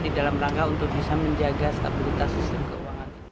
di dalam rangka untuk bisa menjaga stabilitas sistem keuangan